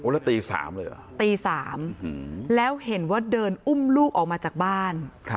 แล้วตี๓เลยเหรอตี๓แล้วเห็นว่าเดินอุ้มลูกออกมาจากบ้าน